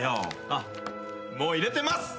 あっもう入れてます！